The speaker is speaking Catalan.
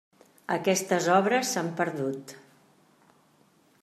Aquestes obres s'han perdut.